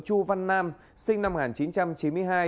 chu văn nam sinh năm một nghìn chín trăm chín mươi hai